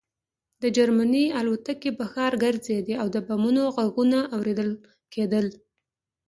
د جرمني الوتکې په ښار ګرځېدې او د بمونو غږونه اورېدل کېدل